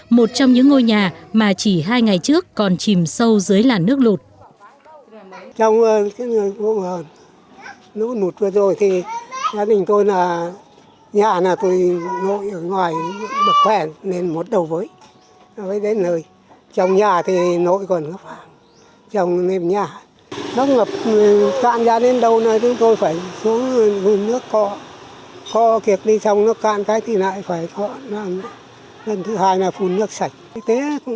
một trong những ngôi nhà mà chỉ hai ngày trước còn chìm sâu dưới làn nước lột